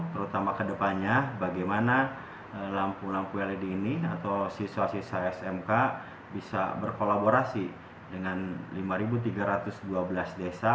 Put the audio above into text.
terutama kedepannya bagaimana lampu lampu led ini atau siswa siswa smk bisa berkolaborasi dengan lima tiga ratus dua belas desa